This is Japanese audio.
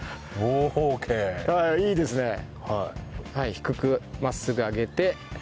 低く真っすぐ上げて。